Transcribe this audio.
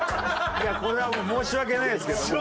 いやこれはもう申し訳ないですけれども。